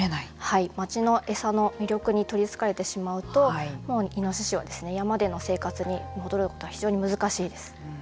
街の餌の魅力に取りつかれてしまうとイノシシは山での生活に戻ることは非常に難しいです。